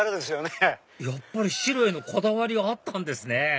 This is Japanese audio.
やっぱり白へのこだわりあったんですね